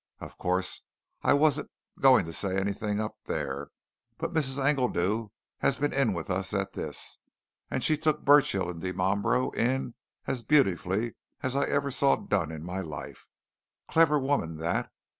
Of course, I wasn't going to say anything up there, but Mrs. Engledew has been in with us at this, and she took Burchill and Dimambro in as beautifully as ever I saw it done in my life! Clever woman, that!